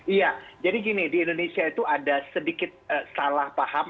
iya jadi gini di indonesia itu ada sedikit salah paham